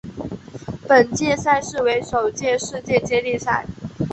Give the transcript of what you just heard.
本届赛事为首届世界接力赛。